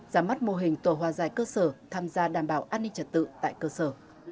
ra mắt mô hình tổ hòa giải cơ sở tham gia đảm bảo an ninh trật tự tại cơ sở